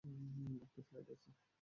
একটা ফ্লাইট আছে।